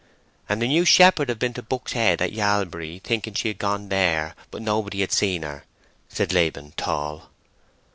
"And the new shepherd have been to Buck's Head, by Yalbury, thinking she had gone there, but nobody had seed her," said Laban Tall.